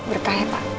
berkah ya pak